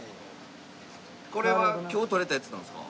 これは今日とれたやつなんですか？